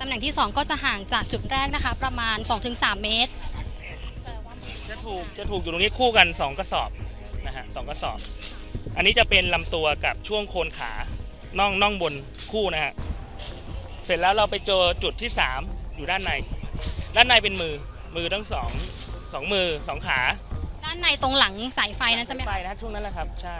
ตำแหน่งที่สองก็จะห่างจากจุดแรกนะครับประมาณสองถึงสามเมตรจะถูกจะถูกอยู่ตรงนี้คู่กันสองกระสอบนะฮะสองกระสอบอันนี้จะเป็นลำตัวกับช่วงโค้นขาน่องน่องบนคู่นะฮะเสร็จแล้วเราไปเจอจุดที่สามอยู่ด้านในด้านในเป็นมือมือตั้งสองสองมือสองขาด้านในตรงหลังสายไฟนั้นจะไม่ไปนะครับช่วงนั้นแหละครับใช่